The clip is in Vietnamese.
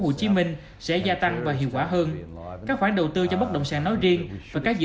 hồ chí minh sẽ gia tăng và hiệu quả hơn các khoản đầu tư cho bất động sản nói riêng và các dự